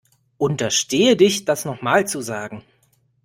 Unterstehe dich das nochmal zu sagen.